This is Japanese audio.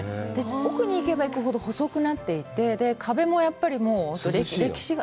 奥に行けば行くほど細くなっていて、壁もやっぱり歴史が。